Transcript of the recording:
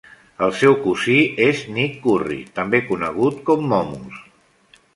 El seu cosí és Nick Currie, també conegut com "Momus".